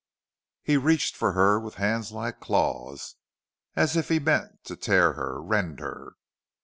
He reached for her with hands like claws, as if he meant to tear her, rend her.